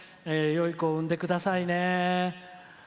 よい子を産んでくださいね。